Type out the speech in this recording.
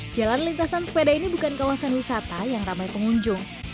jalan lintasan sepeda ini bukan kawasan wisata yang ramai pengunjung